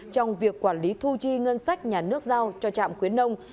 trong việc quản lý thu chi ngân sách nhà nước giao cho trạm khuyến nông